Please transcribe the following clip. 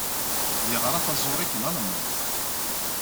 Yeɣra taẓuri deg Lalman.